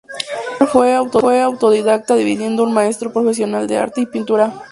Turner fue autodidacta deviniendo en maestro profesional de arte y pintura.